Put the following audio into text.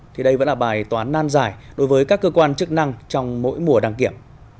thì đây vẫn là bài toán nan dài đối với các cơ quan chức năng trong mỗi mùa đăng kiểm